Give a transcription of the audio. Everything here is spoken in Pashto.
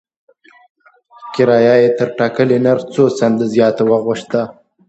کرایه یې تر ټاکلي نرخ څو چنده زیاته وغوښته.